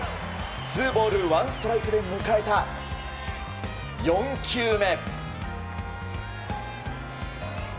ツーボールワンストライクで迎えた、４球目。